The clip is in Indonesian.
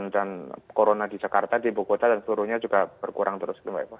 dan corona di jakarta di bogota dan seluruhnya juga berkurang terus